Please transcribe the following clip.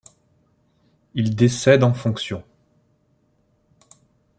Il décède en fonction.